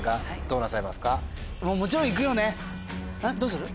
どうする？